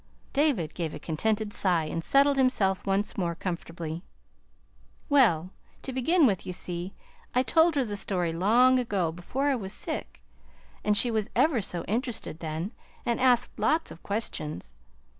David gave a contented sigh, and settled himself more comfortably. "Well, to begin with, you see, I told her the story long ago, before I was sick, and she was ever so interested then, and asked lots of questions.